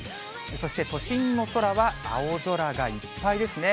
そして都心の空は青空がいっぱいですね。